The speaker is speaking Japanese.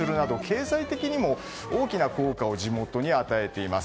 経済的にも大きな効果を与えています。